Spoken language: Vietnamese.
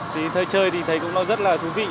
thời chơi thì thấy cũng rất là thú vị